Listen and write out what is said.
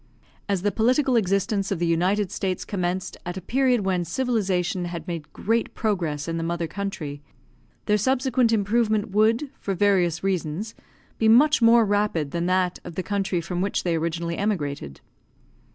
As the political existence of the United States commenced at a period when civilisation had made great progress in the mother country, their subsequent improvement would, for various reasons, be much more rapid than that of the country from which they originally emigrated.